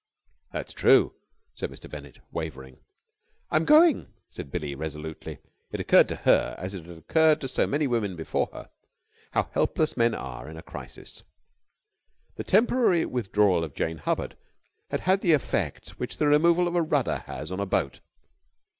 "That's true," said Mr. Bennett, wavering. "I'm going," said Billie resolutely. It occurred to her, as it has occurred to so many women before her, how helpless men are in a crisis. The temporary withdrawal of Jane Hubbard had had the effect which the removal of a rudder has on a boat.